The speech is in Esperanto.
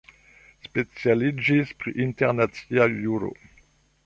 Specialiĝis pr internacia juro.